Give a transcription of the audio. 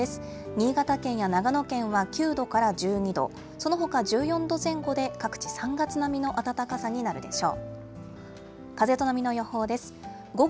新潟県や長野県は９度から１２度、そのほかは１４度前後で、各地、３月並みの暖かさになるでしょう。